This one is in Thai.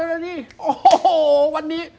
โอ้โหวันนี้